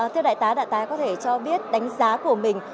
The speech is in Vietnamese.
thưa đại tá đại tái có thể cho biết đánh giá của mình